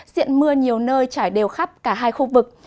diện mưa nhiều nơi trải đều khắp cả hai khu vực